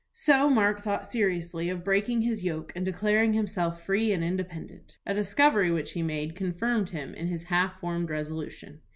So Mark thought seriously of breaking his yoke and declaring himself free and independent. A discovery which he made confirmed him in his half formed resolution.